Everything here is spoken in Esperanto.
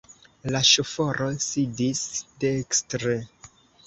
La ŝoforo sidis dekstre.